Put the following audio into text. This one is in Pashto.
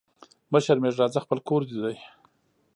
مه شرمېږه راځه خپل کور دي دی